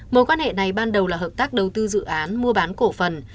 mối quan hệ này ban đầu là hợp tác đầu tư dự án mua bán cổ phần